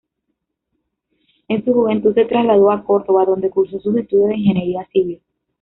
En su juventud se trasladó a Córdoba, donde cursó sus estudios de ingeniería civil.